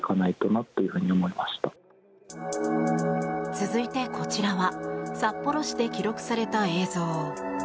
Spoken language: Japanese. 続いて、こちらは札幌市で記録された映像。